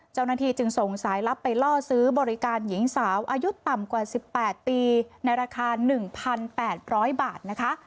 เจ้าหน้าที่จึงส่งสายลับไปล่อซื้อบริการหญิงสาวอายุต่ำกว่า๑๘ปีในราคา๑๘๐๐บาทนะคะ